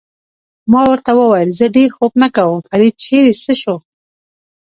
ما ورته وویل: زه ډېر خوب نه کوم، فرید چېرې څه شو؟